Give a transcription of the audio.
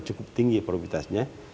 cukup tinggi probabilitasnya